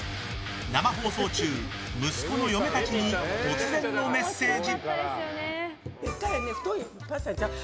生放送中、息子の嫁たちに突然のメッセージ。